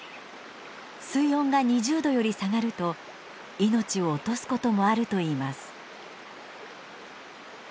水温が２０度より下がると命を落とすこともあるといいます。